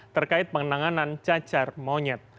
terkait penanganan cacar monyet